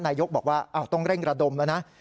นายกบอกว่าต้องเร่งระดมแล้วนะ